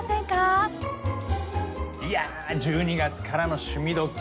いやぁ「１２月からの趣味どきっ！」